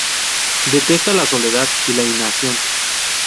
Detesta la soledad y la inacción.